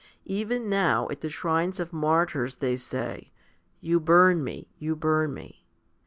1 Even now at the shrines of martyrs they say, "You burn me, you burn me."